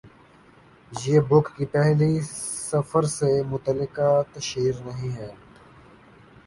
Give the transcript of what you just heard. یہ بُک کی پہلی سفر سے متعلقہ تشہیر نہیں ہے